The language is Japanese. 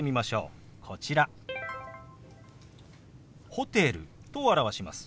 「ホテル」と表します。